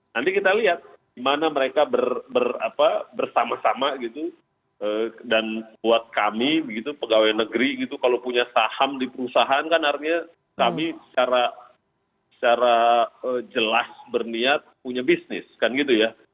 nanti kita lihat di mana mereka bersama sama gitu dan buat kami begitu pegawai negeri gitu kalau punya saham di perusahaan kan artinya kami secara jelas berniat punya bisnis kan gitu ya